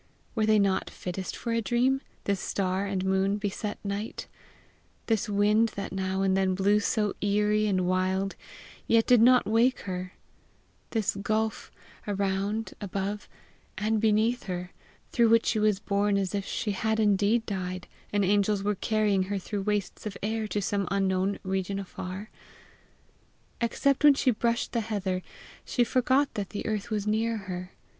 Were they not fittest for a dream, this star and moon beset night this wind that now and then blew so eerie and wild, yet did not wake her this gulf around, above, and beneath her, through which she was borne as if she had indeed died, and angels were carrying her through wastes of air to some unknown region afar? Except when she brushed the heather, she forgot that the earth was near her.